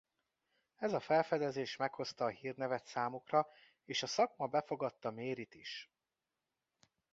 Ez a felfedezés meghozta a hírnevet számukra és a szakma befogadta Maryt is.